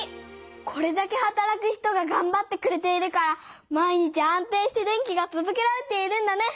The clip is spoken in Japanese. これだけはたらく人ががんばってくれているから毎日安定して電気がとどけられているんだね。